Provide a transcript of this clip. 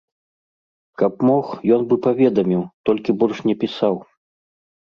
Каб мог, ён бы паведаміў, толькі больш не пісаў.